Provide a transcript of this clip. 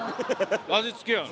味付けやろ。